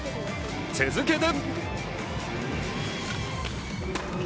続けて。